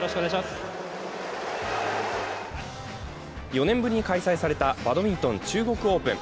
４年ぶりに開催されたバドミントン中国オープン。